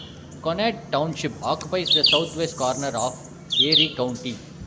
Conneaut Township occupies the southwest corner of Erie County.